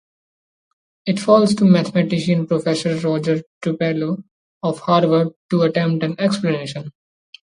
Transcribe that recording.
It falls to mathematician Professor Roger Tupelo of Harvard to attempt an explanation.